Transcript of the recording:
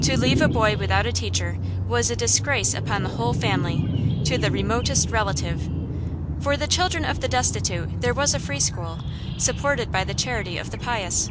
To leave a boy without a teacher was a disgrace upon the whole family, to the remotest relative. For the children of the destitute there was a free school, supported by the charity of the pious.